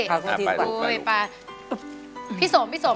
ไปลูกไปลูก